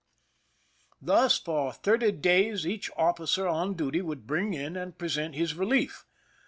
Thus for thirty days each officer on duty would bring in and present his relief.